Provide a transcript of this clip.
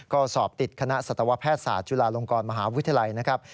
ก็สอบติดคณะศตวแพทย์ศาสตร์จุฬาลงกรมหาวิทยาลัย